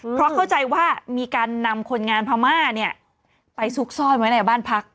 เพราะเข้าใจว่ามีการนำคนงานพม่าเนี่ยไปซุกซ่อนไว้ในบ้านพัก